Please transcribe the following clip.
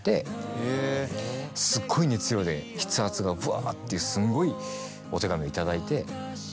すっごい熱量で筆圧がブワっていうすごいお手紙を頂いて。